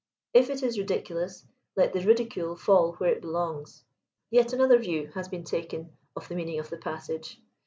If it is ridiculous, let the ridicule fall where it belongs. Yet another view has been taken of the meaning of the passage.